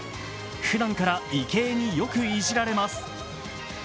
ふだんから池江によくいじられます。